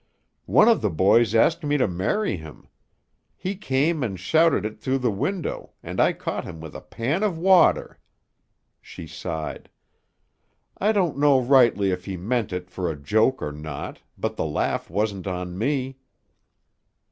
"One of the boys asked me to marry him. He came and shouted it through the window and I caught him with a pan of water." She sighed. "I don't know rightly if he meant it for a joke or not, but the laugh wasn't on me."